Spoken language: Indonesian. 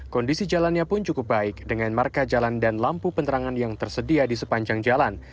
kondisi jalannya pun cukup baik dengan marka jalan dan lampu penerangan yang tersedia di sepanjang jalan